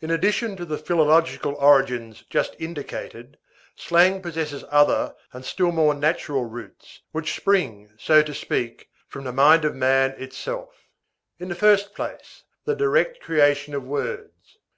In addition to the philological origins just indicated, slang possesses other and still more natural roots, which spring, so to speak, from the mind of man itself. In the first place, the direct creation of words.